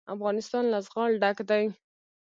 افغانستان له زغال ډک دی.